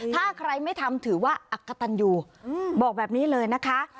ถ้าใครไม่ทำถือว่าอักกะตันอยู่บอกแบบนี้เลยนะคะ